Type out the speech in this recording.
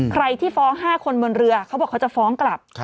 ใครที่ฟ้อง๕คนบนเรือเขาบอกเขาจะฟ้องกลับ